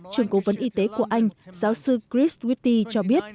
trường cố vấn y tế của anh giáo sư chris rwti cho biết